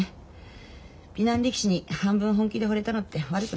美男力士に半分本気でほれたのって悪くなかった。